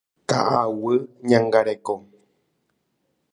Ka'aguy ñangareko.